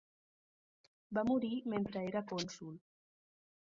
Va morir mentre era cònsol.